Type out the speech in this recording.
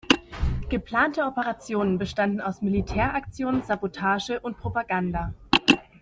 Geplante Operationen bestanden aus Militäraktionen, Sabotage und Propaganda.